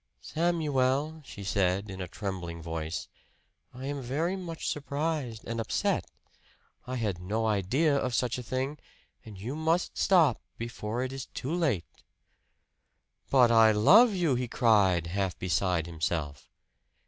"Samuel," she said in a trembling voice, "I am very much surprised and upset. I had no idea of such a thing; and you must stop, before it is too late." "But I love you!" he cried, half beside himself.